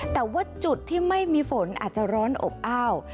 แต่ว่าจุดที่ไม่มีฝนอาจจะร้อนอบอ้าว